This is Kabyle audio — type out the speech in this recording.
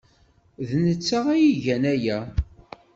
D netta ay igan aya.